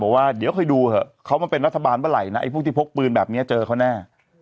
ว่าเดี๋ยวค่อยดูเถอะเขามาเป็นรัฐบาลเมื่อไหร่นะไอ้พวกที่พกปืนแบบนี้เจอเขาแน่